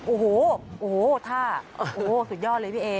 โอ้โหโอ้โหท่าโอ้โหสุดยอดเลยพี่เอ